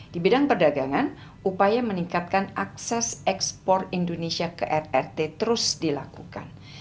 di bidang perdagangan upaya meningkatkan akses ekspor indonesia ke rrt terus dilakukan